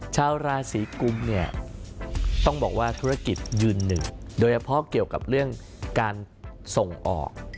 ชาวราศีกุมเนี่ยต้องบอกว่าธุรกิจยืนหนึ่งโดยเฉพาะเกี่ยวกับเรื่องการส่งออก